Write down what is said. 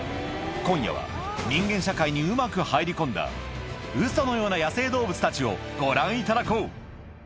今夜は、人間社会にうまく入り込んだ、ウソのような野生動物たちをご覧いただこう。